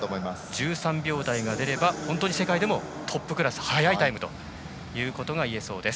１３秒台が出れば本当に世界でもトップクラス早いタイムといえそうです。